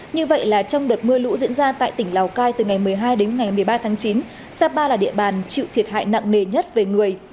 như vậy là trong đợt mưa lũ diễn ra tại tỉnh lào cai từ ngày một mươi hai đến ngày một mươi ba tháng chín sapa là địa bàn chịu thiệt hại nặng nề nhất về người